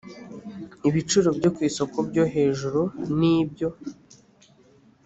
ibiciro byo ku isoko byo hejuru n ibyo